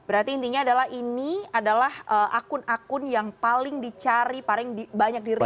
berarti intinya adalah ini adalah akun akun yang paling dicari paling banyak dirilis